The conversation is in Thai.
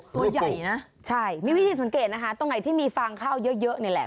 ตัวใหญ่นะใช่มีวิธีสังเกตนะคะตรงไหนที่มีฟางข้าวเยอะเยอะนี่แหละ